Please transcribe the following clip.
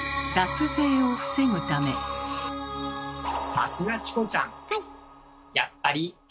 さすがチコちゃん！